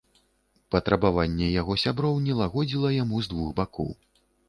Патрабаванне яго сяброў не лагодзіла яму з двух бакоў.